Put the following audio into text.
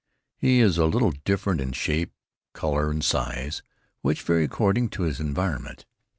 He is a little different in shape, color and size, which vary according to his environment.